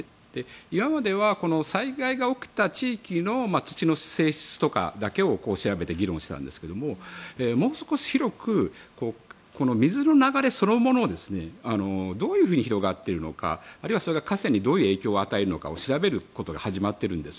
今までは災害が起きた地域の土の性質とかだけを調べて議論していたんですがもう少し広くこの水の流れそのものをどういうふうに広がっているのかあるいはそれが河川にどう影響を与えるのかを調べることが始まっているんです。